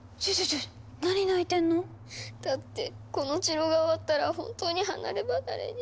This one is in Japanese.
だってこの治療が終わったら本当に離れ離れに。